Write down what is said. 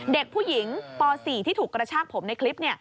เด็กผู้หญิงป๔ที่ถูกกระชากผมในคลิป